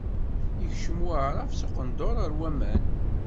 Yekcem Waɛrab s uqendur ɣer waman.